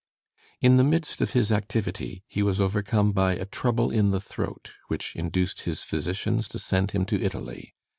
In the midst of his activity he was overcome by a trouble in the throat, which induced his physicians to send him to Italy.